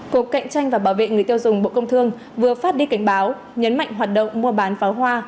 cục cạnh tranh và bảo vệ người tiêu dùng bộ công thương vừa phát đi cảnh báo nhấn mạnh hoạt động mua bán pháo hoa